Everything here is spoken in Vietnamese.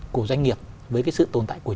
của doanh nghiệp với cái sự tồn tại của